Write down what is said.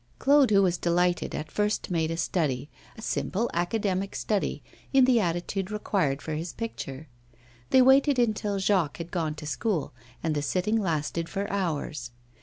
Claude, who was delighted, at first made a study, a simple academic study, in the attitude required for his picture. They waited until Jacques had gone to school, and the sitting lasted for hours.